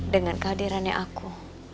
dengan kehadirannya aku